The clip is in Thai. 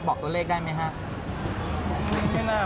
บอกตัวเลขได้ไหมฮะ